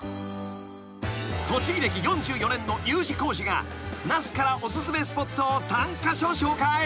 ［栃木歴４４年のＵ字工事が那須からお薦めスポットを３カ所紹介］